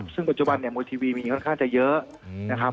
ซึ่งปัจจุบันเนี่ยมวยทีวีมีค่อนข้างจะเยอะนะครับ